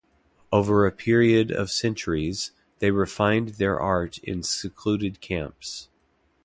Over a period of centuries, they refined their art in secluded camps.